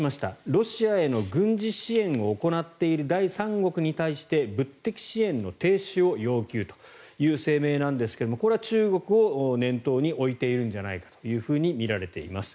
ロシアへの軍事支援を行っている第三国に対して物的支援の停止を要求という声明ですがこれは中国を念頭に置いているんじゃないかとみられています。